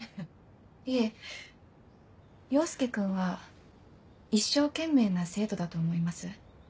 いえ陽介君は一生懸命な生徒だと思います。